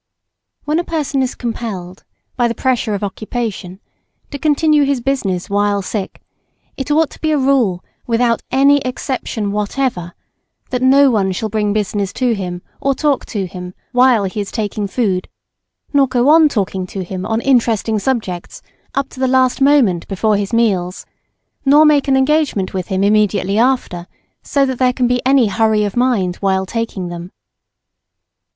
When a person is compelled, by the pressure of occupation, to continue his business while sick, it ought to be a rule WITHOUT ANY EXCEPTION WHATEVER, that no one shall bring business to him or talk to him while he is taking food, nor go on talking to him on interesting subjects up to the last moment before his meals, nor make an engagement with him immediately after, so that there be any hurry of mind while taking them.